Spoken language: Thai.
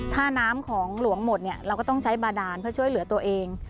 ถ้าน้ำของหลวงหมดเนี่ยเราก็ต้องใช้บาดานเพื่อช่วยเหลือตัวเอง